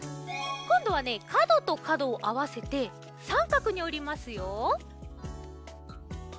こんどはねかどとかどをあわせてさんかくにおりますよ。